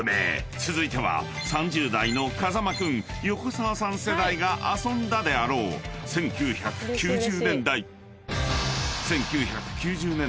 ［続いては３０代の風間君横澤さん世代が遊んだであろう１９９０年代］